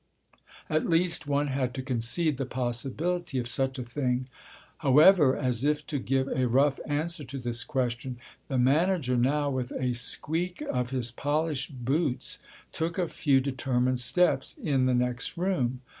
At least one had to concede the possibility of such a thing. However, as if to give a rough answer to this question, the manager now, with a squeak of his polished boots, took a few determined steps in the next room.